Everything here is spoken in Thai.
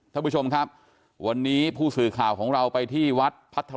ท่านผู้ชมครับวันนี้ผู้สื่อข่าวของเราไปที่วัดพัทธร